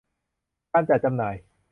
การจัดจำหน่าย